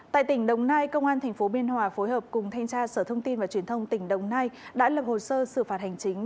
tại tỉnh đồng nai công an tp biên hòa phối hợp cùng thanh tra sở thông tin và truyền thông tỉnh đồng nai đã lập hồ sơ xử phạt hành chính